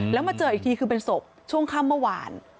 แล้วมาเจออีกทีคือเป็นศพช่วงค่ำเมื่อวาน